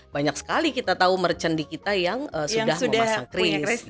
banyak sekali kita tahu merchant di kita yang sudah memasang kris